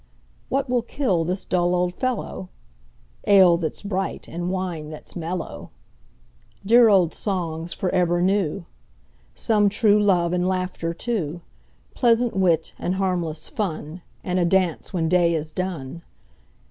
What will kill this dull old fellow? Ale that 's bright, and wine that 's mellow! Dear old songs for ever new; Some true love, and laughter too; Pleasant wit, and harmless fun, And a dance when day is done.